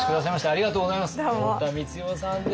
ありがとうございます今日は。